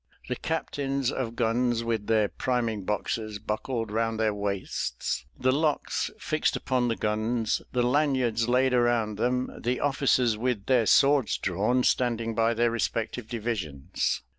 The captains of guns, with their priming boxes buckled round their waists; the locks fixed upon the guns; the lanyards laid around them; the officers, with their swords drawn, standing by their respective divisions.